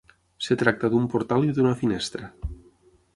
Es tracta d'un portal i d'una finestra.